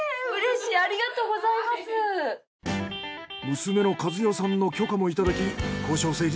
娘の和代さんの許可もいただき交渉成立。